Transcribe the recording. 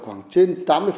khoảng trên tám mươi